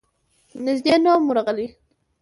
نږدې نه وم ورغلی.